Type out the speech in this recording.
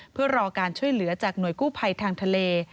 เพื่อรอการช่วยเหลือจากหน่วยกู้ภัยทางทะเล